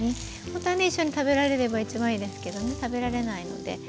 ほんとはね一緒に食べられれば一番いいですけどね食べられないので。